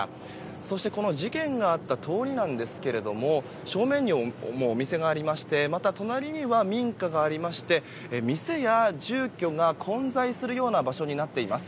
そして、この事件があった通りなんですけども正面にもお店がありましてまた隣には民家がありまして店や住居が混在する場所になっています。